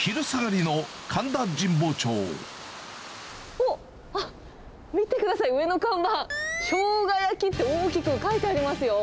おっ、見てください、上の看板、しょうが焼きって、大きく書いてありますよ。